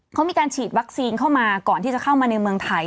เขามีการฉีดวัคซีนเข้ามาก่อนที่จะเข้ามาในเมืองไทย